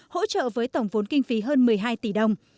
hỗ trợ với tổng vốn kinh phí hơn một mươi hai tỷ đồng